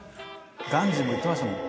ガンジーも言ってましたもん。